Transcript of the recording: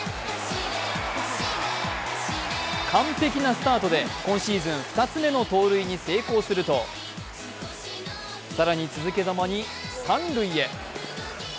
完璧なスタートで、今シーズン２つめの盗塁に成功すると更に、続けざまに三塁へ。